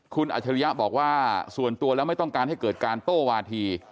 คุณอัจฉริยะบอกว่าส่วนตัวแล้วไม่ต้องการให้เกิดการโต้วาธี